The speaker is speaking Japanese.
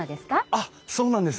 あっそうなんです。